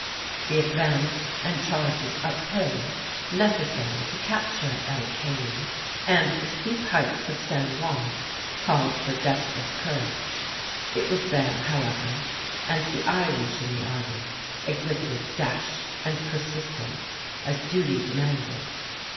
The advance and charges uphill necessary to capture El Caney and the steep heights of San Juan called for desperate courage. It was there, however, and the Irish in the army exhibited dash and persistence, as duty demanded.